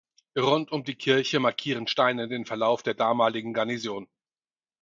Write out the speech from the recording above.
Rund um die Kirche markieren Steine den Verlauf der damaligen Garnison.